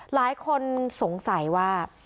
หลายคนสงสัยว่า